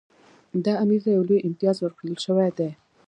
دا امیر ته یو لوی امتیاز ورکړل شوی دی.